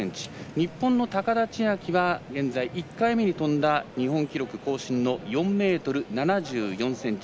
日本の高田千明は現在、１回目に跳んだ日本記録更新の４ｍ７４ｃｍ。